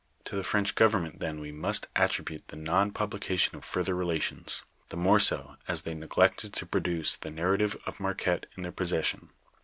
To the French government then we must attribute the nou piiblication of further relations, the more so, as they neg lected to produce the narrative of Marquette in their posses sion.